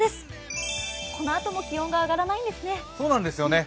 このあとも気温が上がらないんですよね。